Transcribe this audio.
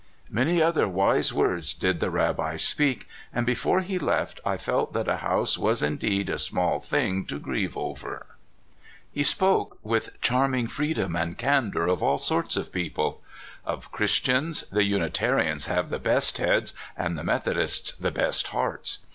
Many other wise words did the Rabbi speak, and before he left I felt that a house was indeed a small thing to grieve over. He spoke with charming freedom and candor of all sorts of people. "Of Christians, the Unitarians have the best heads, and the Methodists the best hearts.